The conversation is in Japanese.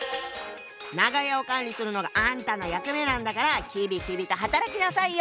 長屋を管理するのがあんたの役目なんだからきびきびと働きなさいよ。